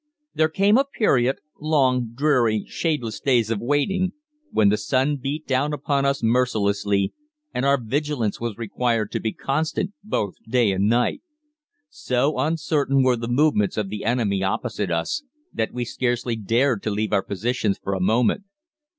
"Then came a period long, dreary, shadeless days of waiting when the sun beat down upon us mercilessly and our vigilance was required to be constant both night and day. So uncertain were the movements of the enemy opposite us that we scarcely dared to leave our positions for a moment.